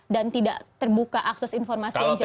dan tidak terbuka akses informasi yang jelas